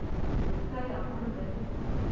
کرتي اغوندئ